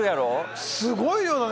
すごい量だね。